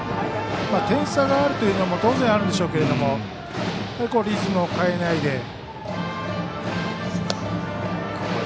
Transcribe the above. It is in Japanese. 点差があるというのも当然あるでしょうけどやはりリズムを変えないで。